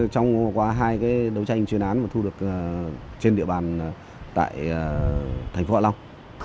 trong qua hai cái đấu tranh chuyên án và thu được trên địa bàn tại tp hạ long